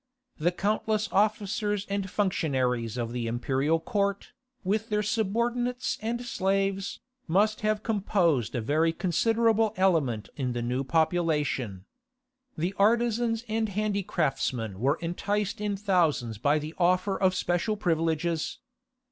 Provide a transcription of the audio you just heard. The countless officers and functionaries of the imperial court, with their subordinates and slaves, must have composed a very considerable element in the new population. The artizans and handicraftsmen were enticed in thousands by the offer of special privileges.